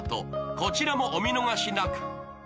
こちらもお見逃しなく。